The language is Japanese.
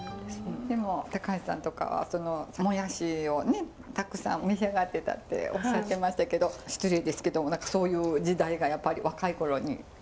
でも高橋さんとかはもやしをたくさん召し上がってたっておっしゃってましたけど失礼ですけどもそういう時代がやっぱり若い頃に？